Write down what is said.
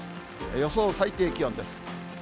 予想最低気温です。